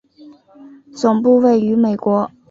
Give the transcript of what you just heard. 总部位于美国。